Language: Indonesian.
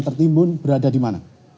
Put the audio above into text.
tertimbun berada dimana